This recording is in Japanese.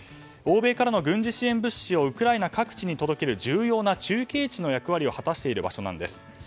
欧米からの軍事支援物資をウクライナ各地に届ける重要な中継地の役割を果たしている場所なんです。